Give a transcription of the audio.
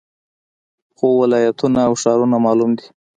خو ولایتونه او ښارونه معلوم دي